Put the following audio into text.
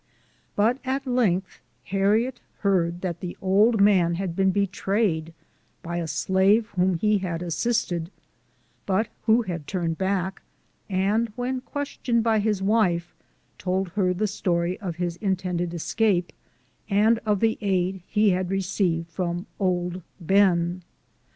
But at length Harriet heard that the old man had been betrayed by a slave whom lie had assisted, but who had turned back, and when ques tioned by his wife, told her the story of his intended escape, and of the aid he had received from "Old Ben."